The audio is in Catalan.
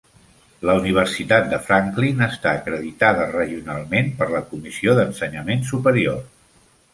La Universitat de Franklin està acreditada regionalment per la Comissió d'Ensenyament Superior.